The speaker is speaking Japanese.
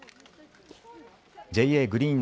ＪＡグリーン